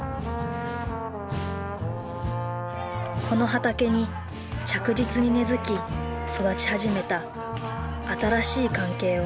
この畑に着実に根づき育ち始めた新しい関係を。